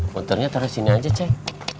motornya taruh sini aja cek